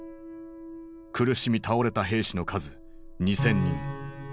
苦しみ倒れた兵士の数２，０００人。